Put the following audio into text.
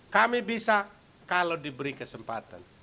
kami bisa kalau diberi kesempatan